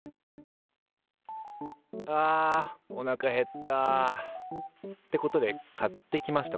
あおなか減った。ってことで買ってきました